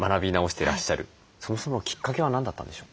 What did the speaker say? そもそものきっかけは何だったんでしょう？